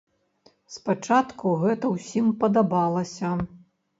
Спачатку гэта ўсім падабалася.